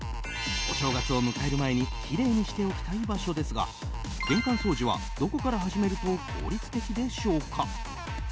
お正月を迎える前にきれいにしておきたい場所ですが玄関掃除は、どこから始めると効率的でしょうか？